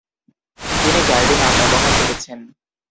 তিনি "গাইডো" নাম ব্যবহার করেছেন।